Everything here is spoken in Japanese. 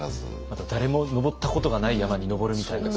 まだ誰も登ったことがない山に登るみたいな。